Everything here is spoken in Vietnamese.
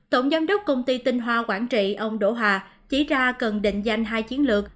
tổng giám đốc công ty tinh hoa quảng trị ông đỗ hà chỉ ra cần định danh hai chiến lược